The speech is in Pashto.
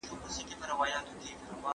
د بشر حقونو د نقض قضیې ثبت کیږي.